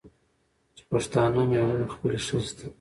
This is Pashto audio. چې پښتانه مېړونه خپلې ښځې ته